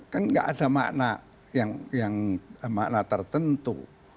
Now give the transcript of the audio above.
kan nggak ada makna yang makna tertentu